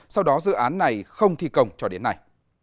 sau đó dự án này không thi công cho đến nay